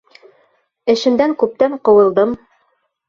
Эшемдән күптән ҡыуылдым.